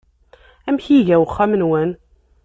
Amek iga uxxam-nwen?